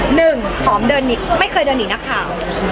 หนึ่งขอมไม่เคยเดินหนีนักข่าว